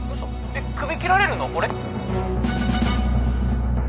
えっ首切られるの俺？